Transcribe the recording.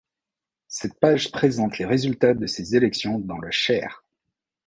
Cette page présente les résultats de ces élections dans le Cher.